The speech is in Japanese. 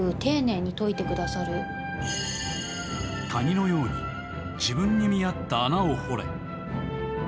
蟹のように自分に見合った穴を掘れ。